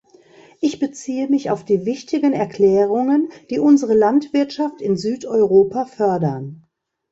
Ich beziehe mich auf die wichtigen Erklärungen, die unsere Landwirtschaft in Südeuropa fördern.